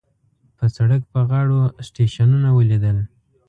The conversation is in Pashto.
په سړک په غاړو سټیشنونه وليدل.